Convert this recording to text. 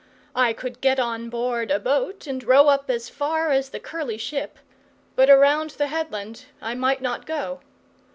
I could get on board a boat and row up as far as the curly ship, but around the headland I might not go.